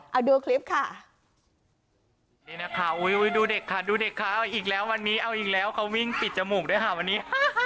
เอาดูคลิปค่ะนี่นะคะอุ้ยดูเด็กค่ะดูเด็กค่ะเอาอีกแล้ววันนี้เอาอีกแล้วเขาวิ่งปิดจมูกด้วยค่ะวันนี้